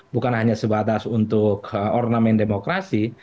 bukan hanya sebatas untuk ornamen demokrasi